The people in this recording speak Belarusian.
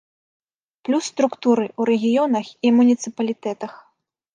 Плюс структуры ў рэгіёнах і муніцыпалітэтах.